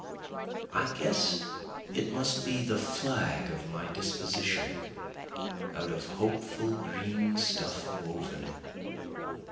I guess it must be the flag of my disposition, out of hopeful green stuff woven.